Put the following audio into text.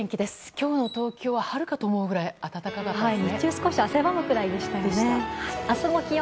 今日の東京は春かと思うくらい暖かかったですね。